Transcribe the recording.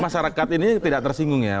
masyarakat ini tidak tersinggung ya